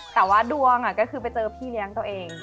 แต่ว่าดวงก็คือไปเจอพี่เลี้ยงตัวเอง